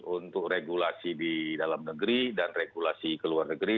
untuk regulasi di dalam negeri dan regulasi ke luar negeri